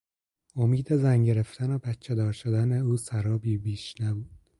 امید زن گرفتن و بچهدار شدن او سرابی بیش نبود.